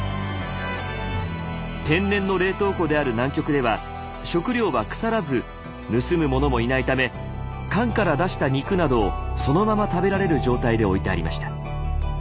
天然の冷凍庫である南極では食料は腐らず盗むものもいないため缶から出した肉などをそのまま食べられる状態で置いてありました。